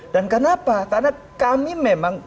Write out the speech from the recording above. dan kenapa karena kami memang